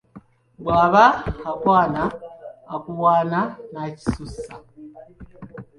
Bw'aba akwana akuwaana n'akisussa.